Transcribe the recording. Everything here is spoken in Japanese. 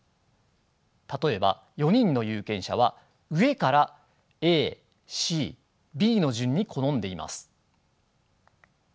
例えば４人の有権者は上からＡＣＢの順に好んでいます。